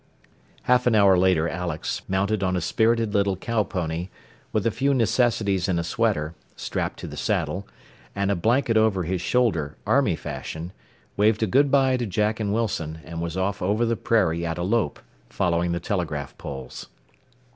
Half an hour later Alex, mounted on a spirited little cow pony, with a few necessities in a sweater, strapped to the saddle, and a blanket over his shoulder, army fashion, waved a good by to Jack and Wilson, and was off over the prairie at a lope, following the telegraph poles.